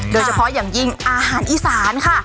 โดยเฉพาะอย่างยิ่งอาหารอีสานค่ะ